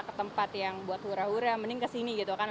ke tempat yang buat hura hura mending ke sini gitu kan